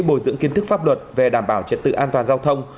bồi dưỡng kiến thức pháp luật về đảm bảo trật tự an toàn giao thông